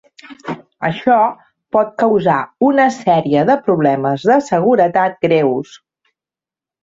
Això pot causar una sèrie de problemes de seguretat greus.